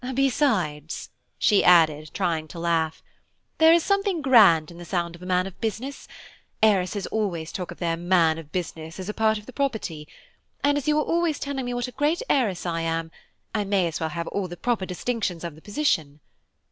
Besides," she added, trying to laugh, "there is something grand in the sound of a man of business–heiresses always talk of their man of business, as a part of the property; and as you are always telling me what a great heiress I am, I may as well have all the proper distinctions of the position.